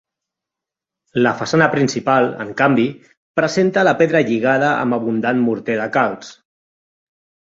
La façana principal, en canvi, presenta la pedra lligada amb abundant morter de calç.